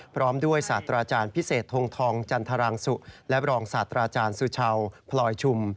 พร้อมด้วยศาสตราอาจารย์พิเศษทงทองจันทรางสุและรองศาสตราอาจารย์สุชาวพลอยชุม